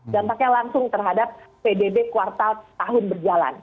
dampaknya langsung terhadap pdb kuartal tahun berjalan gitu ya